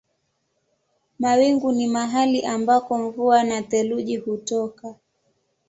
Mawingu ni mahali ambako mvua na theluji hutoka.